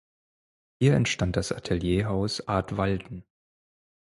Hier entstand das Atelierhaus artwalden.